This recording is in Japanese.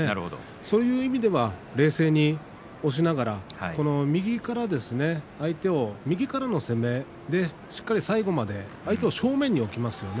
そういう意味では冷静に押しながら右から相手を右からの攻めでしっかり最後まで相手を正面に置きますね